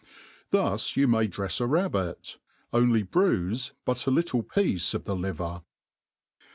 , 'I'hus.you may drefs a rabbit, only bruife but a little piece of the liver.